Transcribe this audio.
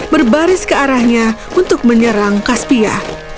berbaris ke arahnya untuk menyerang kaspia